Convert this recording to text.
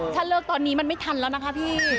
ถ้าเลิกตอนนี้มันไม่ทันแล้วนะคะพี่